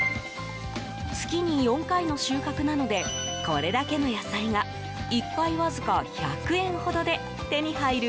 月に４回の収穫なのでこれだけの野菜が１回わずか１００円ほどで手に入る